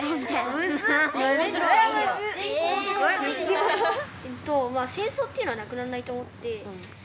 えとまあ戦争っていうのはなくなんないと思って。